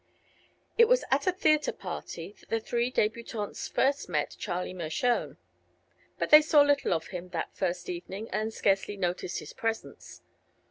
It was at a theatre party that the three debutantes first met Charlie Mershone, but they saw little of him that first evening and scarcely noticed his presence.